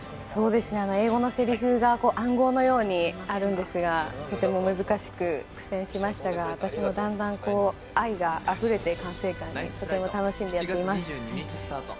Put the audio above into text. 英語のせりふが暗号のようにあるんですがとても難しく、苦戦しましたが私もだんだん、愛があふれて管制官を演じていてとても楽しんでやっています。